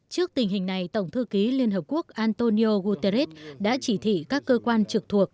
trước tình hình này tổng thư ký liên hợp quốc antonio guterres đã chỉ thị các cơ quan trực thuộc